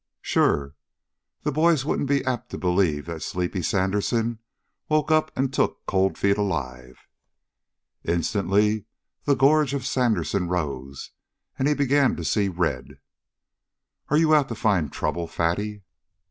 "Sure! The boys wouldn't be apt to believe that sleepy Sandersen woke up and took Cold Feet alive." Instantly the gorge of Sandersen rose, and he began to see red. "Are you out to find trouble, Fatty?"